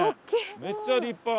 めっちゃ立派。